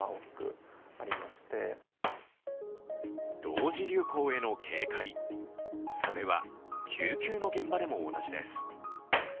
同時流行への警戒、それは救急の現場でも同じです。